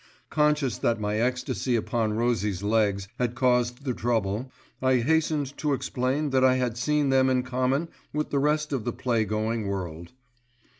Conscious that my ecstasy upon Rosie's legs had caused the trouble, I hastened to explain that I had seen them in common with the rest of the play going world.